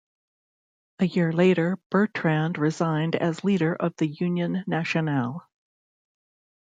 A year later, Bertrand resigned as Leader of the Union Nationale.